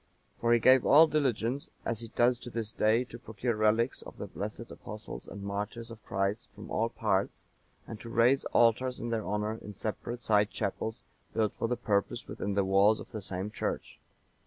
For he gave all diligence, as he does to this day, to procure relics of the blessed Apostles and martyrs of Christ from all parts, and to raise altars in their honour in separate side chapels built for the purpose within the walls of the same church.